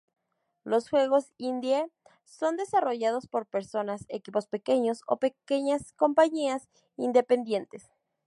Los juegos indie son desarrollados por personas, equipos pequeños, o pequeñas compañías independientes.